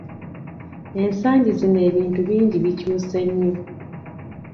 Ensangi zino ebintu bingi bikyuse nnyo.